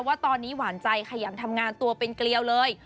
ว่าตอนนี้หวานใจขยันทำงานตัวเป็นเกลียวเลย